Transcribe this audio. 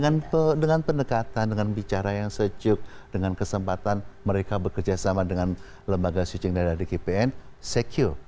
and dengan pendekatan dengan bicara yang sejuk dengan kesempatan mereka bekerjasama dengan lembaga switching data di kpn secure